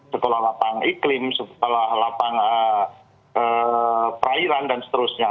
sekolah lapang iklim sekolah lapang perairan dan seterusnya